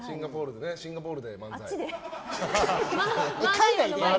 シンガポールで漫才をね。